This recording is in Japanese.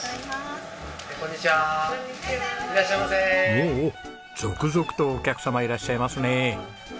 おおおお続々とお客様いらっしゃいますね。